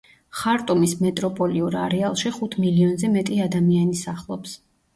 ხარტუმის მეტროპოლიურ არეალში ხუთ მილიონზე მეტი ადამიანი სახლობს.